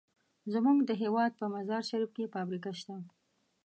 زمونږ د هېواد په مزار شریف کې فابریکه شته.